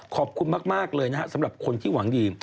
ขอบคุณมากเลยนะครับสำหรับคนที่หวังดี